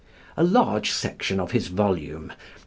A large section of his volume (pp.